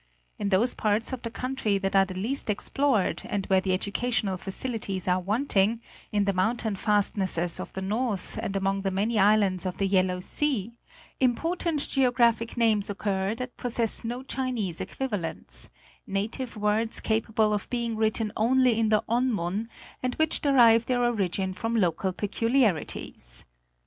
. In those parts of the country that are the least explored, and where educational facili ties are wanting, in the mountain fastnesses of the north, and among the many islands of the Yellow Sea, important geo graphic names occur that possess no Chinese equivalents : native words capable of being written only in the On mun and which derive their origin from local peculiarities.